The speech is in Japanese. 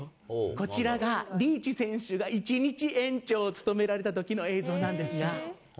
こちらが、リーチ選手が１日園長を務められたときの映像なんですが。